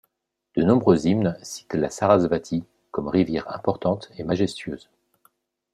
De nombreux hymnes citent la Sarasvati comme rivière importante et majestueuse.